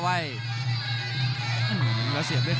และอัพพิวัตรสอสมนึก